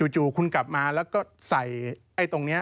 จู่คุณกลับมาแล้วก็ใส่ไอ้ตรงนี้